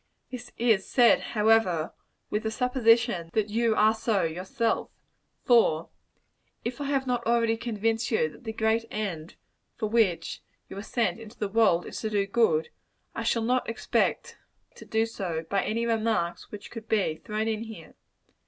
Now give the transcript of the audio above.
This is said, however, with the supposition that you are so yourself; for if I have not already convinced you that the great end for which you were sent into the world is to do good, I shall not expect to do so by any remarks which could be thrown in here.